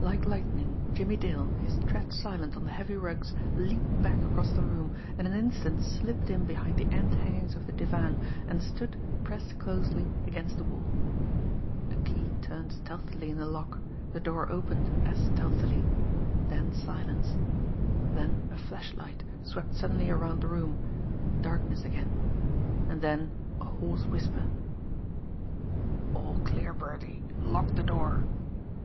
Like lightning, Jimmie Dale, his tread silent on the heavy rugs, leaped back across the room, and in an instant slipped in behind the end hangings of the divan and stood, pressed closely, against the wall. A key turned stealthily in the lock, the door opened as stealthily then silence then a flashlight swept suddenly around the room darkness again and then a hoarse whisper: "All clear, Birdie. Lock the door."